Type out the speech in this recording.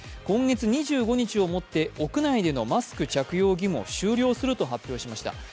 今月２５日をもって屋内でのマスク着用義務を終了すると発表しました。